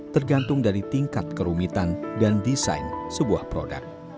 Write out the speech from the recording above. tergantung dari tingkat kerumitan dan desain sebuah produk